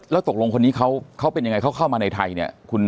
แล้วตกลงคนนี้เขาเป็นยังไงเขาเข้ามาในไทยเนี่ย